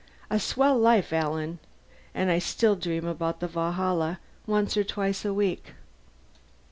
A swell life, Alan. And I still dream about the Valhalla once or twice a week."